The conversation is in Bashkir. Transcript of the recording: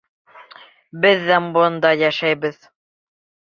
Беҙ ҙә бында йәшәйбеҙ.